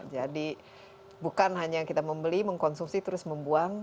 jadi bukan hanya kita membeli mengkonsumsi terus membuang